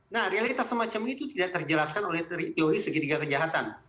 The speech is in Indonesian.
nah realitas semacam itu tidak terjelaskan oleh teori teori segitiga kejahatan